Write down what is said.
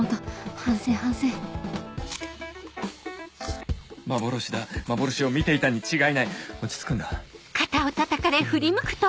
反省反省幻だ幻を見ていたに違いない落ち着くんだ